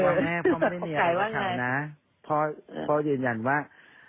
แม่ว่าแม่พ่อไม่มีอะไรมาถามนะพ่อยืนยันว่า